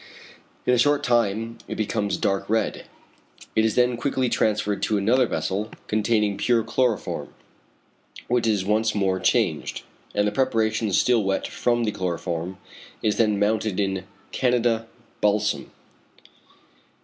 In a short time it becomes dark red. It is then quickly transferred to another vessel containing pure chloroform, which is once more changed, and the preparation still wet from the chloroform is then mounted in canada balsam.